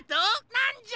なんじゃ？